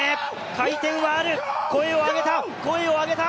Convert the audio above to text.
回転はある、声を上げた、声を上げた！